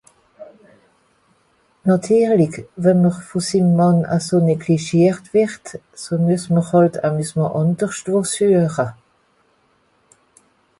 Nàtirlich, wenn m’r vùn sim Mànn eso neglischiert wùrd, ze muess m’r hàlt ’s Amusement àndersch wo sueche.